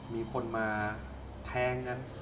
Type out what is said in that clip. มีคนมาแทงเงิน